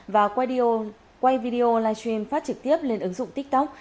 và quay video live stream phát trực tiếp lên ứng dụng tiktok